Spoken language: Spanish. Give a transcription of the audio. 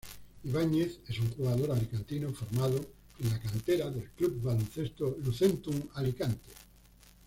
Ibáñez es un jugador alicantino formado en la cantera del Club Baloncesto Lucentum Alicante.